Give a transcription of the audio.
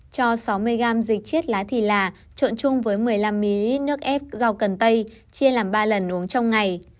cho sáu mươi gam dịch chiết lá thì là trộn chung với một mươi năm mí nước ép rau cần tây chia làm ba lần uống trong ngày